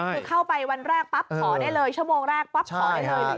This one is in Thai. คือเข้าไปวันแรกปั๊บขอได้เลยชั่วโมงแรกปั๊บขอได้เลย